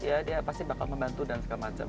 ya dia pasti bakal membantu dan segala macam